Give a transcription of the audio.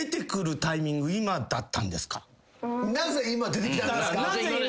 なぜ今出てきたんですか。